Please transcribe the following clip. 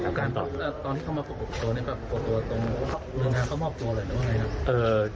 ตอนที่เขามาปรากฏตัวปรากฏตัวตรงเมืองานเขามอบตัวหรือเป็นยังไงครับ